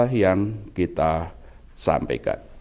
dan dua hal yang saya ingin sampaikan